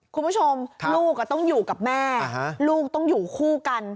คุณผู้ชมลูกต้องอยู่กับแม่ลูกต้องอยู่คู่กัน